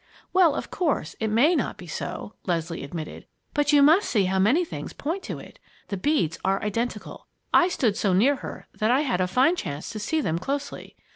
"Well, of course, it may not be so," Leslie admitted, "but you must see how many things point to it. The beads are identical. I stood so near her that I had a fine chance to see them closely.